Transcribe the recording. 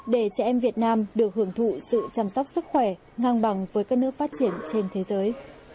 để trẻ em việt nam được hưởng thụ sự chăm sóc sức khỏe ngang bằng với các nước phát triển trên thế giới